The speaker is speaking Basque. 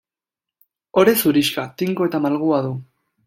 Ore zurixka, tinko eta malgua du.